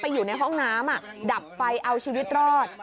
อยู่ในห้องน้ำดับไฟเอาชีวิตรอด